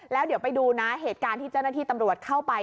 แล้วเดี๋ยวไปดูนะเหตุการณ์ที่เจ้าหน้าที่ตำรวจเข้าไป